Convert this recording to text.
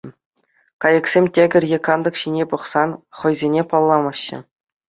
Кайӑксем тӗкӗр е кантӑк ҫине пӑхсан, хӑйсене палламаҫҫӗ.